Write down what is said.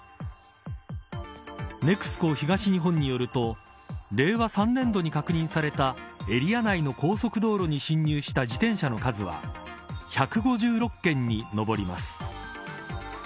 ＮＥＸＣＯ東日本によると令和３年度に確認されたエリア内の高速道路に進入した自転車の数は１５６件にのぼります。